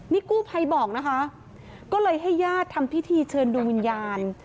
นี่กู้ภัยบอกนะคะก็เลยให้ญาติทำพิธีเชิญดวงวิญญาณ